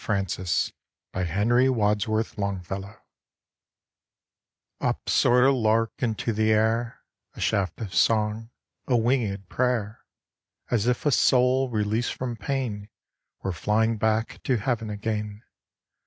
FRANCIS BY HENRY WADSWORTH LONGFELLOW Up soared a lark into the air, A shaft of song, a winged prayer, As if a soul released from pain Were flying back to heaven again.